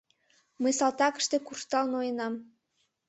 «Мый салтакыште куржтал ноенам.